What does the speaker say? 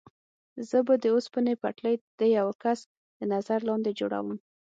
زه به د اوسپنې پټلۍ د یوه کس تر نظر لاندې جوړوم.